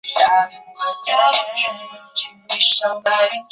是前任首领段乞珍之子。